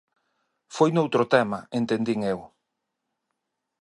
Foi noutro tema, entendín eu.